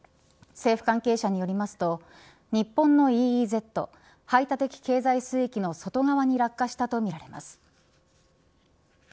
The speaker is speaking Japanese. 政府関係者によりますと日本のＥＥＺ排他的経済水域の外側に落下したとみられます。